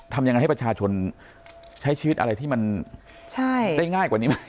ทำยังไงให้ประชาชนใช้ชีวิตอะไรที่มันได้ง่ายกว่านี้ไหม